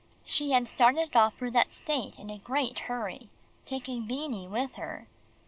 She had started off for that state in a great hurry, taking Beanie with her.